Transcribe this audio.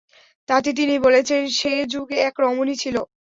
তাতে তিনি বলেছেন, সে যুগে এক রমণী ছিল।